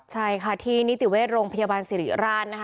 ในติเวชโรงพยาบาลสิริราณ